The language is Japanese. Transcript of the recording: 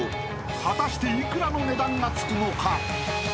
［果たして幾らの値段がつくのか？］